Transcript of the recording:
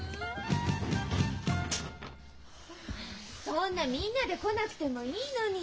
そんなみんなで来なくてもいいのに！